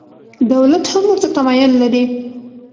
دولت هم ورته تمایل لري.